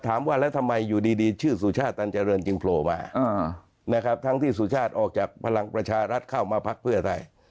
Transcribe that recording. ถามว่าแล้วทำไมอยู่ดีชื่อสุชาติตันเจริญจึงโผล่มานะครับทั้งที่สุชาติออกจากพลังประชารัฐเข้ามาพักเพื่อไทย